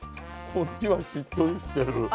こっちはしっとりしてる。